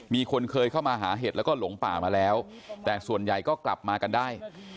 มีคนเคยเข้ามาหาเห็ดแล้วก็หลงป่ามาแล้วแต่ส่วนใหญ่ก็กลับมากันได้